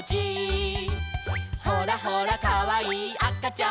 「ほらほらかわいいあかちゃんも」